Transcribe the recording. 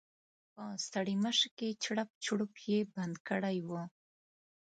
په ستړيمشې کې چړپ چړوپ یې بند کړی و.